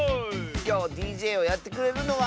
きょうＤＪをやってくれるのは。